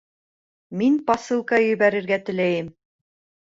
Мин посылка ебәрергә теләйем